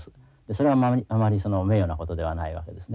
それはあまり名誉なことではないわけですね。